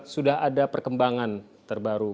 sudah ada perkembangan terbaru